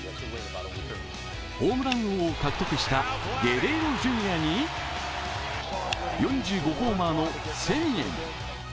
ホームラン王を獲得したゲレーロ・ジュニアに４５ホーマーのセミエン。